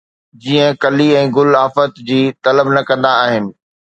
جيئن ڪُلي ۽ گل آفت جي طلب نه ڪندا آهن